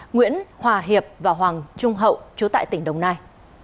nguyễn hòa hiệp và hoàng trung hậu chú tại tỉnh đồng nai